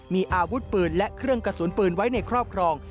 มีอาวุธปืนและเครื่องกระสุนปืนไว้ในครอบครอง